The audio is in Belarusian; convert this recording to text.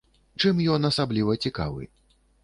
Чым ён ім асабліва цікавы?